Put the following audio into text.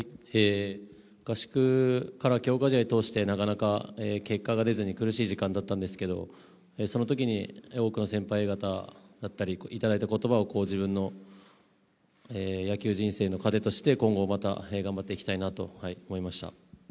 合宿から強化試合通して、なかなか結果が出ずに苦しい時間だったんですけど、そのときに多くの先輩方だったりいただいた言葉を自分の野球人生の糧として今後また頑張っていきたいなと思いました。